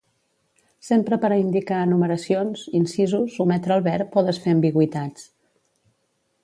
S'empra per a indicar enumeracions, incisos, ometre el verb o desfer ambigüitats.